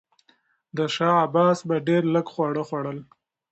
شاه عباس به ډېر لږ خواړه خوړل.